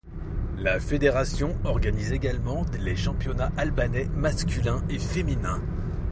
La Fédération organise également les championnats albanais masculin et féminin.